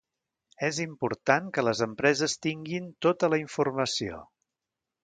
És important que les empreses tinguin tota la informació.